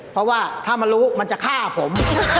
เพราะว่าถ้ามันรู้มันจะฆ่าผม